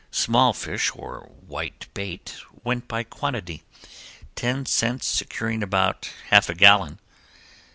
Small fish, or white bait, went by quantity, ten cents securing about half a gallon.